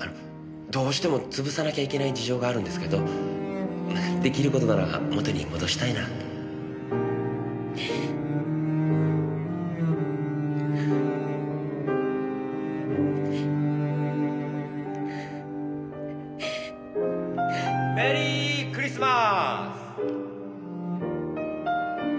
あのどうしても潰さなきゃいけない事情があるんですけど出来る事なら元に戻したいなあって。メリークリスマース！